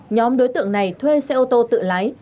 nhóm đối tượng này thuê xe ô tô tự lái